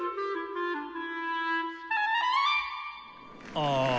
ああ！